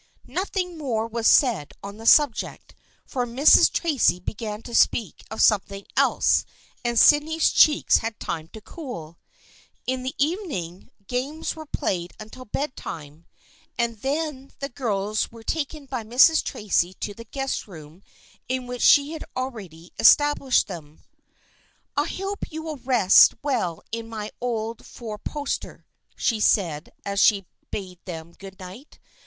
Nothing more was said on this subject, for Mrs. Tracy began to speak of something else and Sydney's cheeks had time to cool. In the evening games were played until bedtime, and then the THE FRIENDSHIP OF ANNE 143 girls were taken by Mrs. Tracy to the guest room in which she had already established them. " I hope you will rest well in my old four poster," she said as she bade them good night.